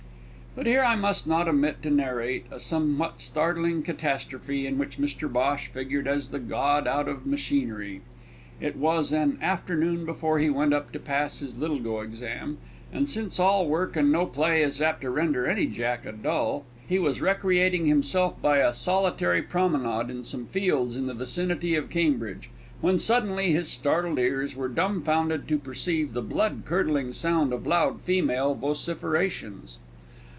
But here I must not omit to narrate a somewhat startling catastrophe in which Mr Bhosh figured as the god out of machinery. It was on an afternoon before he went up to pass his Little go exam, and, since all work and no play is apt to render any Jack a dull, he was recreating himself by a solitary promenade in some fields in the vicinity of Cambridge, when suddenly his startled ears were dumbfounded to perceive the blood curdling sound of loud female vociferations!